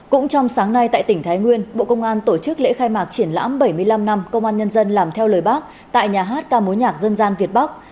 cũng trong sáng nay tại tỉnh thái nguyên bộ công an tổ chức lễ khai mạc triển lãm bảy mươi năm năm công an nhân dân làm theo lời bác tại nhà hát ca mối nhạc dân gian việt bắc